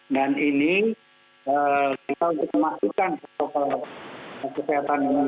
dan ini kita harus memastikan kesehatan ini dilaksanakan